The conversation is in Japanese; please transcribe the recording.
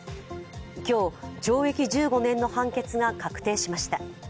今日、懲役１５年の判決が確定しました。